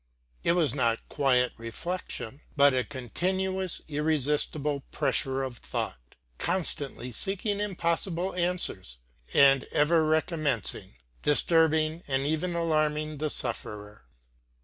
It was not quiet reflection, but a continuous irresistible pressure of thought, constantly seeking impossible answers, and ever recommencing, disturbing and even alarming the sufferer.